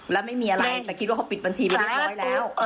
แล้วไม่มีอะไรแต่คิดว่าเขาปิดบัญชีไปเรียบร้อยแล้ว